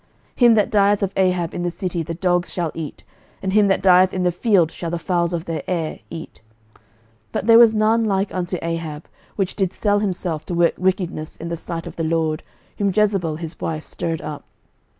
11:021:024 Him that dieth of Ahab in the city the dogs shall eat; and him that dieth in the field shall the fowls of the air eat. 11:021:025 But there was none like unto Ahab, which did sell himself to work wickedness in the sight of the LORD, whom Jezebel his wife stirred up.